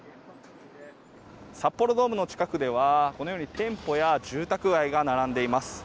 札幌ドームの近くではこのように店舗や住宅街が並んでいます。